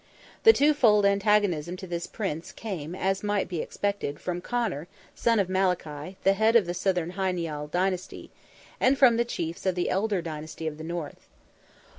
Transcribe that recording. The two fold antagonism to this Prince, came, as might be expected from Conor, son of Malachy, the head of the southern Hy Nial dynasty, and from the chiefs of the elder dynasty of the North.